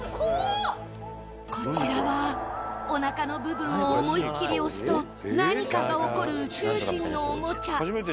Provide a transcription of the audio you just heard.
こちらはおなかの部分を思いっきり押すと何かが起こる宇宙人のおもちゃ。